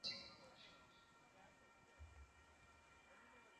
عامو خلکو د یوې عادلانه محکمې حق لرلی شوای.